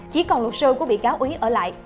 chỉ còn luật sư của bị cáo úy ở lại